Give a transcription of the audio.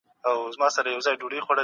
سندرې د مغزو سکتې زیانونه کموي.